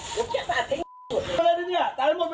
กลับมาเผ็ดเหมือนกัน